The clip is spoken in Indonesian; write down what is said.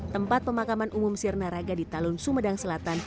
tempat pemakaman umum sir naraga di talun sumedang selatan